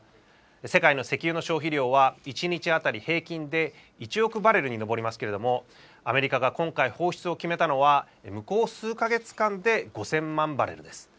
世界の石油の消費量は、１日当たり平均で１億バレルに上りますけれども、アメリカが今回放出を決めたのは、向こう数か月間で５０００万バレルです。